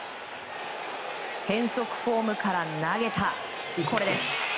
変則フォームから投げたこれです。